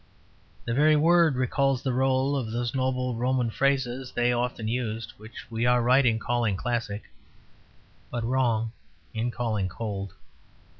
The very word recalls the roll of those noble Roman phrases they often used, which we are right in calling classic, but wrong in calling cold.